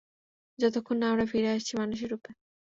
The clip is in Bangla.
যতক্ষণ না আমরা ফিরে আসছি মানুষের রূপে।